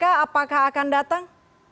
apakah akan datang